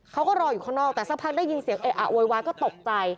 เขาก็รออยู่ข้างนอกแต่สักพักได้ยินเสียงเอะอะโวยวายก็ตกใจ